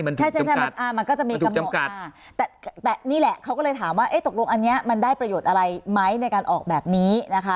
มันถูกจำกัดมันถูกจำกัดแต่นี่แหละเขาก็เลยถามว่าเอ๊ะตกลงอันเนี้ยมันได้ประโยชน์อะไรไหมในการออกแบบนี้นะคะ